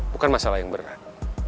bukan masalah yang berat